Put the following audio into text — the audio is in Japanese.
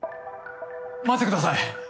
待ってください。